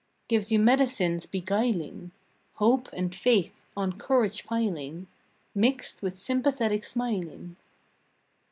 Gives you medicines beguiling Hope and Faith on Courage piling, Mixed with Sympathetic Smiling.